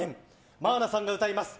まーなさんが歌います。